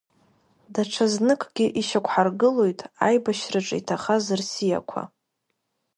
Даҽазныкгьы ишьақәҳаргылоит аибашьраҿы иҭахаз рсиақәа.